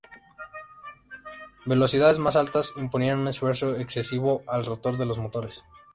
Velocidades más altas imponían un esfuerzo excesivo al rotor de los motores.